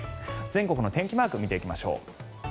全国の天気マーク見ていきましょう。